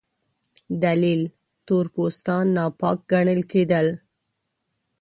دلیل: تور پوستان ناپاک ګڼل کېدل.